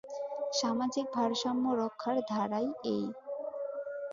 সামাজিক ভারসাম্য রক্ষার ধারাই এই।